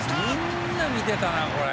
みんな見てたなこれ。